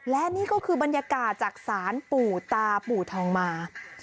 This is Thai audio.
และนี่ก็คือบรรยากาศจากศาลปู่ตาปู่ทองมา